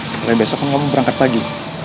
sebelahnya besok kan kamu berangkat lagi